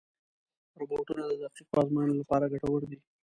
روبوټونه د دقیقو ازموینو لپاره ګټور دي.